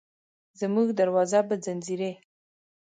زموږ دروازه به ځینځېرې،